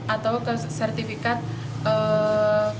atau sertifikat kesehatan